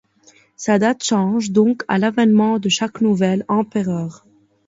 Sa date change donc à l'avènement de chaque nouvel empereur.